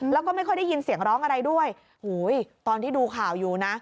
แล้วก็ไม่ค่อยได้ยินเสียงร้องอะไรด้วยหูยตอนที่ดูข่าวอยู่นะ